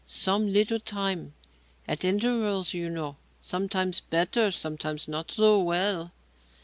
Some little time. At intervals, you know. Sometimes better, sometimes not so well."